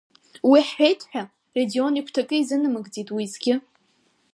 Уи ҳҳәеит ҳәа, Радион игәҭакы изынамыгӡеит уеизгьы.